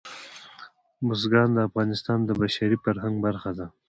بزګان د افغانستان د بشري فرهنګ برخه ده.